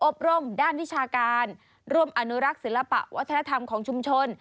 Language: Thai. รมด้านวิชาการร่วมอนุรักษ์ศิลปะวัฒนธรรมของชุมชน